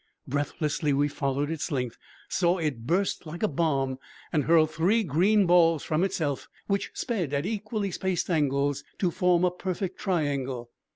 Breathlessly we followed its length, saw it burst like a bomb and hurl three green balls from itself which sped at equally spaced angles to form a perfect triangle.